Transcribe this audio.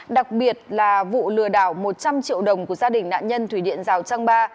đặc biệt là vụ lừa đảo một trăm linh triệu đồng của gia đình nạn nhân thủy điện rào trăng ba